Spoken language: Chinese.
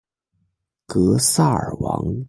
格萨尔王